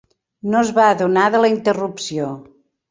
No es va adonar de la interrupció.